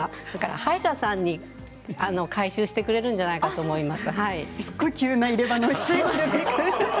歯医者さんが回収してくれるんじゃないかなと思います。